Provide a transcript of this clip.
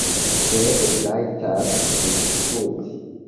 Sed li rajtas rifuzi?